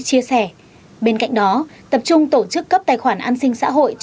chia sẻ bên cạnh đó tập trung tổ chức cấp tài khoản an sinh xã hội cho